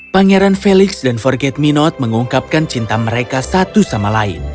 pangeran felix dan forget me not mengungkapkan cinta mereka satu sama lain